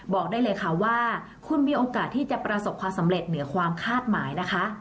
บอกได้เลยค่ะว่าคุณมีโอกาสที่จะประสบความสำเร็จเหนือความคาดหมายนะคะ